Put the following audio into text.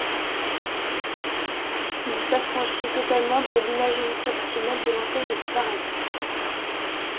Il s'affranchit totalement de l'imagerie traditionnelle de l'enfer et du paradis.